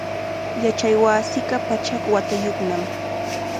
Yachaywasinqa pachak watayuqnami.